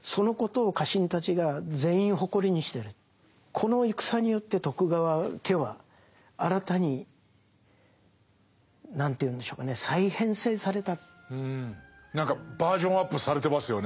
この戦によって徳川家は新たに何ていうんでしょうかね何かバージョンアップされてますよね。